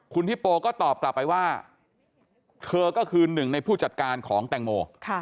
คุณฮิโปก็ตอบกลับไปว่าเธอก็คือหนึ่งในผู้จัดการของแตงโม